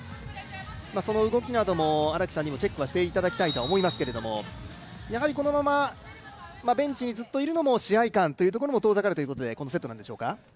その動きなども荒木さんにはチェックをしていただきたいと思いますけれども、このままベンチにずっといるのも試合感から遠ざかるということでこのセットなんでしょうか。